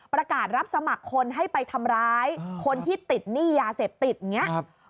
ประกาศรับสมัครคนให้ไปทำร้ายคนที่ติดหนี้ยาเสพติดอย่างนี้